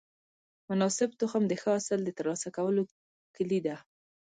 مناسب تخم د ښه حاصل د ترلاسه کولو کلي ده.